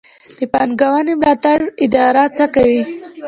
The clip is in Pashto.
د پانګونې ملاتړ اداره څه کوي؟